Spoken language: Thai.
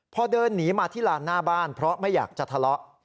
พอเดินหนีมาที่ลานหน้าบ้านเพราะไม่อยากจะทะเลาะ